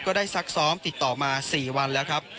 ได้ซักซ้อมติดต่อมา๔วันแล้วครับ